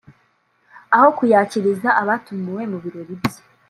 aho kuyakiriza abatumiwe mu birori bye